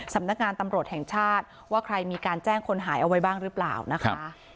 สำนักงานตำรวจแห่งชาติว่าใครมีการแจ้งคนหายเอาไว้บ้างหรือเปล่านะคะ